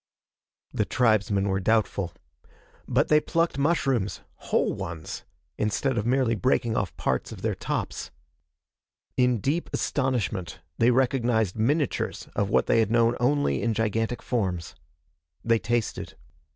The tribesmen were doubtful. But they plucked mushrooms whole ones! instead of merely breaking off parts of their tops. In deep astonishment they recognized miniatures of what they had known only in gigantic forms. They tasted.